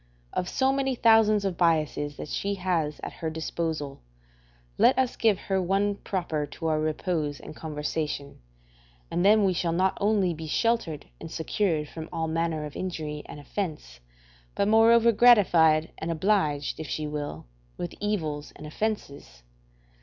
Of so many thousands of biases that she has at her disposal, let us give her one proper to our repose and conversation, and then we shall not only be sheltered and secured from all manner of injury and offence, but moreover gratified and obliged, if she will, with evils and offences.